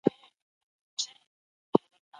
آیا تاسو کله د کابل تاریخي باغونه لیدلي دي؟